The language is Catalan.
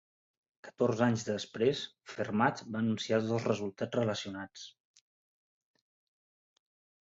Catorze anys després, Fermat va anunciar dos resultats relacionats.